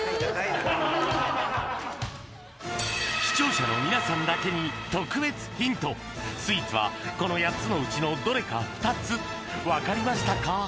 視聴者の皆さんだけに特別ヒントスイーツはこの８つのうちのどれか２つ分かりましたか？